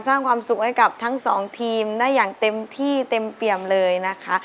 สร้างความสุขให้กับทั้งสองทีมได้อย่างเต็มที่เต็มเปี่ยมเลยนะคะ